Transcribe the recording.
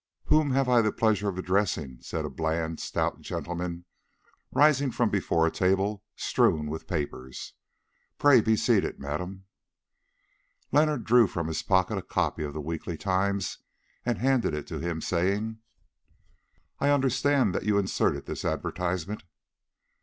"Whom have I the pleasure of addressing?" said a bland, stout gentleman, rising from before a table strewn with papers. "Pray be seated, madam." Leonard drew from his pocket a copy of the weekly "Times" and handed it to him, saying: "I understand that you inserted this advertisement."